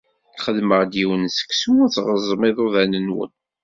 Xedmeɣ-d yiwen n seksu, ad tɣeẓẓem iḍudan-nwen!